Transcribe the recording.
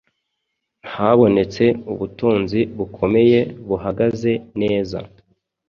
Habonetse ubutunzi bukomeye buhagaze neza